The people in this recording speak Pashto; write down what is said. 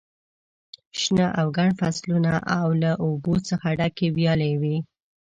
شنه او ګڼ فصلونه او له اوبو څخه ډکې ویالې وې.